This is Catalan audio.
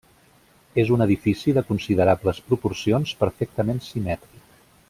És un edifici de considerables proporcions perfectament simètric.